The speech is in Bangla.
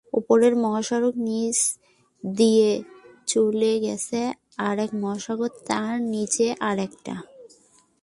ওপরে মহাসড়ক, নিচ দিয়ে চলে গেছে আরেক মহাসড়ক, তার নিচে আরেকটা।